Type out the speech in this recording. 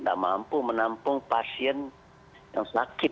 tidak mampu menampung pasien yang sakit